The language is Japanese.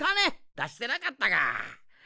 だしてなかったか。